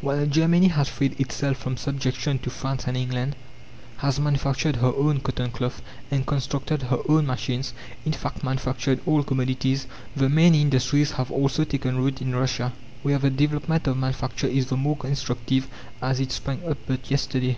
While Germany has freed herself from subjection to France and England, has manufactured her own cotton cloth, and constructed her own machines in fact, manufactured all commodities the main industries have also taken root in Russia, where the development of manufacture is the more instructive as it sprang up but yesterday.